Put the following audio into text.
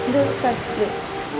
duduk apsu duduk